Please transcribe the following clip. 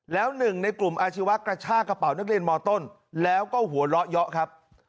แล้วหนึ่งในกลุ่มอาชีวะกระชากกระเป๋านักเรียนมต้นแล้วก็หัวเราะเยอะครับ